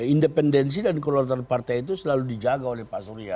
independensi dan keluaran partai itu selalu dijaga oleh pak surya